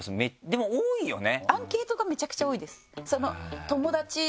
でも多いよね？